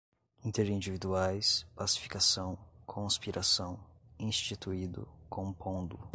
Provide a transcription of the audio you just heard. interindividuais, pacificação, conspiração, instituído, compondo